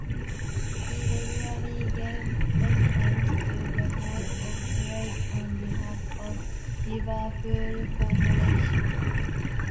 He regularly gave evidence to the Board of Trade on behalf of Liverpool Corporation.